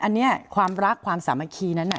อันนี้ความรักความสามัคคีนั้นน่ะ